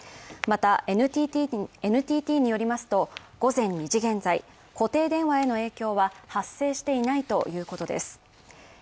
またＮＴＴによりますと、午前１時現在、固定電話への影響は発生していないということです。